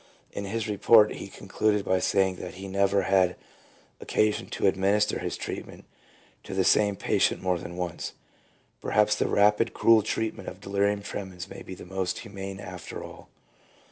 In his report he concluded by saying that he never had occasion to administer this treatment to the same patient more than once. Perhaps the rapid, cruel treatment of delirium tremens may be the most humane after all.